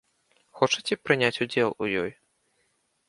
Хочаце прыняць удзел у ёй?